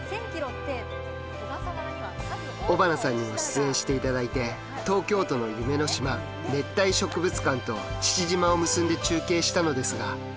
尾花さんにも出演して頂いて東京都の夢の島熱帯植物館と父島を結んで中継したのですが。